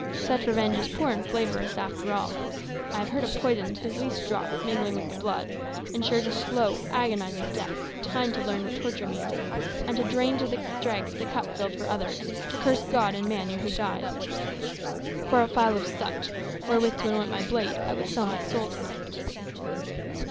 Such revenge is poor and flavourless after all. I have heard of poisons whose least drop, mingling with the blood, ensures a slow agonizing death time to learn what torture means, and to drain to the dregs the cup filled for others to curse God and man ere he dies. For a phial of such, wherewith to anoint my blade, I would sell my soul to night."